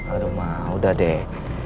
aduh ma udah deh